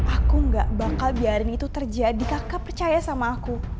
aku gak bakal biarin itu terjadi kakak percaya sama aku